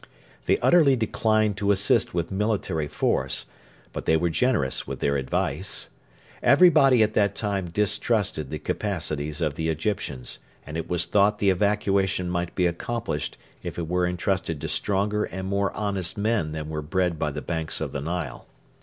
They utterly declined to assist with military force, but they were generous with their advice. Everybody at that time distrusted the capacities of the Egyptians, and it was thought the evacuation might be accomplished if it were entrusted to stronger and more honest men than were bred by the banks of the Nile.